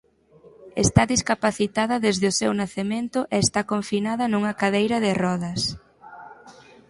Está discapacitada desde o seu nacemento e está confinada nunha cadeira de rodas.